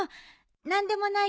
何でもないから。